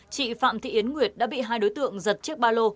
chị phạm thị yến nguyệt đã bị hai đối tượng giật chiếc ba lô